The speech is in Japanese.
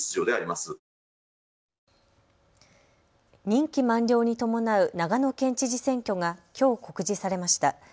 任期満了に伴う長野県知事選挙がきょう告示されました。